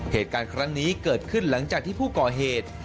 เหตุการณ์ครั้งนี้เกิดขึ้นหลังจากที่ผู้ก่อเหตุ